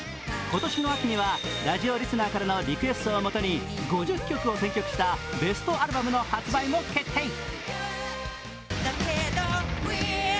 今年の秋にはラジオリスナーからのリクエストをもとに５０曲を選曲したベストアルバムの発売も決定。